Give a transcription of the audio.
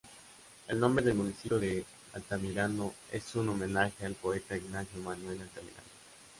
El nombre del municipio de Altamirano es en homenaje al poeta Ignacio Manuel Altamirano.